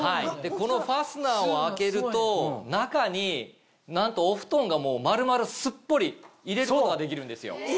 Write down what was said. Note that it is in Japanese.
このファスナーを開けると中になんとお布団が丸々すっぽり入れることができるんですよ。え！